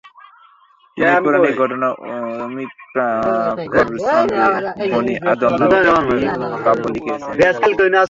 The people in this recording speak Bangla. তিনি কোরানিক ঘটনার অমিত্রাক্ষর ছন্দে ‘বনি আদম’ নামে একটি মহাকাব্য লিখেছিলেন।